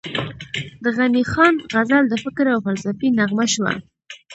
د غني خان غزل د فکر او فلسفې نغمه شوه،